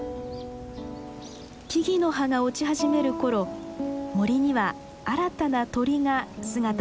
木々の葉が落ち始める頃森には新たな鳥が姿を現します。